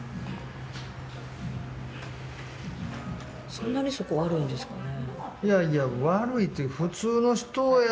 そんなにそこ悪いんですかね。